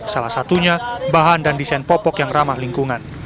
salah satunya bahan dan desain popok yang ramah lingkungan